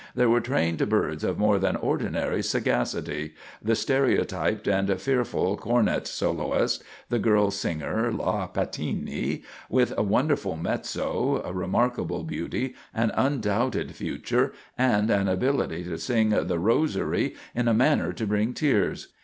There were trained birds of more than ordinary sagacity; the stereotyped and fearful cornet soloist; the girl singer, La Pattini, with a wonderful mezzo, remarkable beauty, an undoubted future, and an ability to sing the "Rosary" in a manner to bring tears.